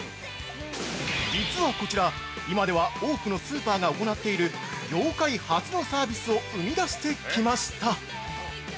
実はこちら、今では多くのスーパーが行っている業界初のサービスを生み出してきました。